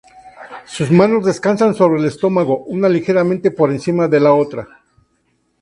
Sus manos descansan sobre el estómago, una ligeramente por encima de la otra.